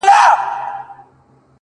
خدايه په دې شریر بازار کي رڼایي چیري ده-